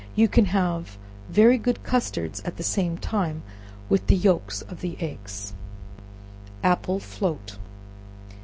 You can have very good custards at the same time with the yelks of the eggs. Apple Float.